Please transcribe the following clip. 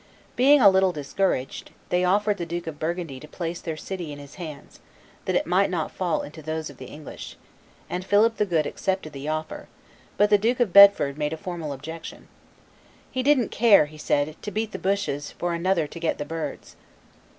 Being a little discouraged, they offered the Duke of Burgundy to place their city in his hands, that it might not fall into those of the English; and Philip the Good accepted the offer, but the Duke of Bedford made a formal objection: "He didn't care," he said, "to beat the bushes for another to get the birds."